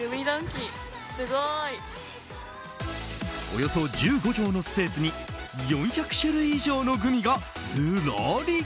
およそ１５畳のスペースに４００種類以上のグミがずらり。